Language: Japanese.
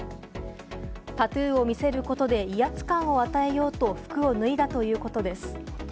タトゥーを見せることで、威圧感を与えようと服を脱いだということです。